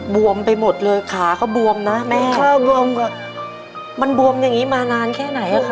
วมไปหมดเลยขาก็บวมนะแม่ถ้าบวมก็มันบวมอย่างนี้มานานแค่ไหนอ่ะคะ